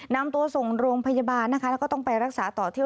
นำตัวส่งโรงพยาบาลนะคะแล้วก็ต้องไปรักษาต่อเที่ยว